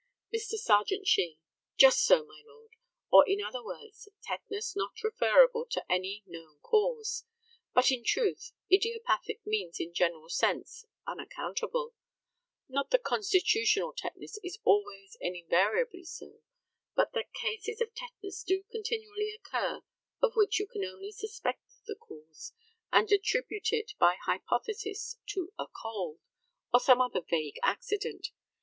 Mr. Serjeant SHEE: Just so, my lord, or in other words, tetanus not referable to any known cause. But, in truth, idiopathic means in a general sense "unaccountable." Not that constitutional tetanus is always and invariably so, but that cases of tetanus do continually occur of which you can only suspect the cause, and attribute it by hypothesis to a "cold," or some other vague accident.